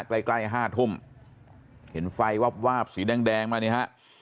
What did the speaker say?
ใกล้๕ทุ่มเห็นไฟวาบสีแดงมาเนี่ยฮะ